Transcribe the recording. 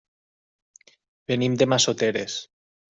Venim de Massoteres.